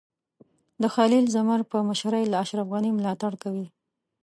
د خلیل زمر په مشرۍ له اشرف غني ملاتړ کوي.